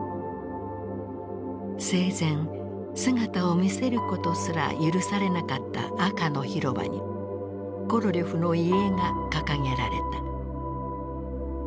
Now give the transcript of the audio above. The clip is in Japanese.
生前姿を見せることすら許されなかった赤の広場にコロリョフの遺影が掲げられた。